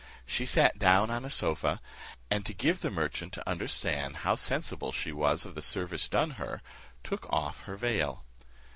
She sat down on a sofa, and to give the merchant to understand how sensible she was of the service done her, took off her veil.